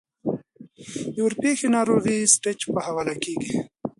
د ورپېښې ناروغۍ د سټېج پۀ حواله کيږي -